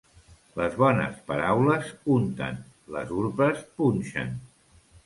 Les bones paraules unten, les urpes punxen.